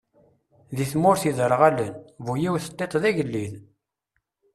Di tmurt iderɣalen, bu-yiwet n tiṭ d agellid.